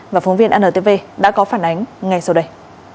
và phóng viên antv đã có phản ánh ngay sau đây